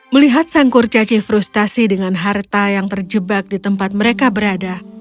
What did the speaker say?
melihat sang kurcaci frustasi dengan harta yang terjebak di tempat mereka berada